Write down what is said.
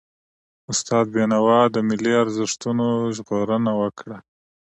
استاد بينوا د ملي ارزښتونو ژغورنه وکړه.